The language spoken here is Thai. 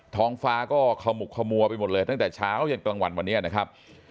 ท้องฟ้าก็ขมุกขมัวไปหมดเลยตั้งแต่เช้าเย็นกลางวันวันนี้นะครับ